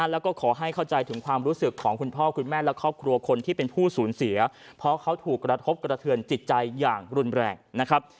แล้วก็ขอให้เข้าใจถึงความรู้สึกของคุณพ่อคุณแม่และครอบครัวคนที่เป็นผู้สูญเสียเพราะเขาถูกกระทบกระเทือนจิตใจอย่างรุนแรงนะครับ